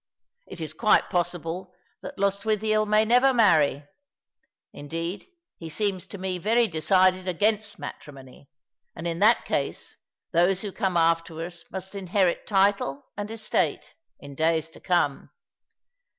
It is quite possible that Lostwithicl may never marry —> indeed, he seems to me very decided against matrimony, and in that case those who come after us must inherit title and estate in days to come."